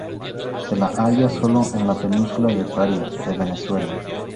Se la halla solo en la Península de Paria de Venezuela.